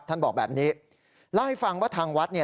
ท่านบอกแบบนี้เล่าให้ฟังว่าทางวัดเนี่ย